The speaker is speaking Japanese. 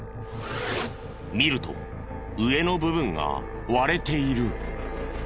見ると上の部分が割れている。